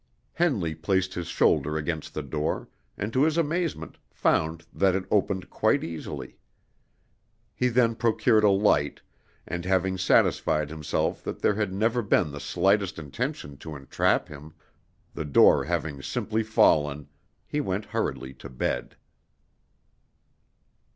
Henley placed his shoulder against the door, and to his amazement found that it opened quite easily. He then procured a light, and having satisfied himself that there had never been the slightest intention to entrap him, the door having simply fallen, he went hurriedly to bed.